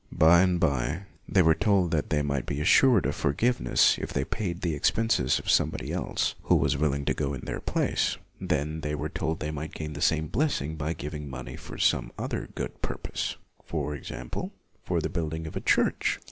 By and by, they were told that they might be assured of forgiveness if they paid the expenses of somebody else who was willing to go in their place. Then they were told they might gain LUTHER 5 the same blessing by giving money for some other good purpose; for example, for the building of a church.